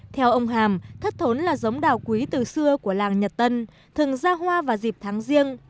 theo ông hàm thất thốn là giống đào quý từ xưa của làng nhật tân thường ra hoa vào dịp tháng riêng